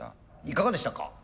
いかがでしたか？